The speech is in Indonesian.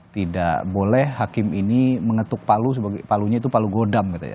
tidak boleh hakim ini mengetuk palu sebagai palunya itu palu godam gitu ya